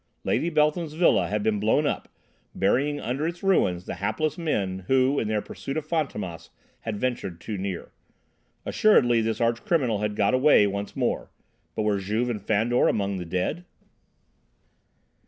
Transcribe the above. Lady Beltham's villa had been blown up, burying under its ruins the hapless men who in their pursuit of Fantômas had ventured too near. Assuredly this arch criminal had got away once more. But were Juve and Fandor among the dead?